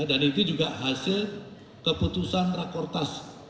dan itu juga hasil keputusan rakortas